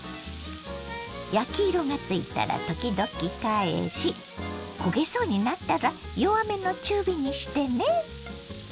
焼き色がついたら時々返し焦げそうになったら弱めの中火にしてね。